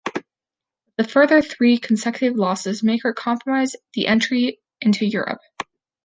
But the further three consecutive losses make her compromise the entry into Europe.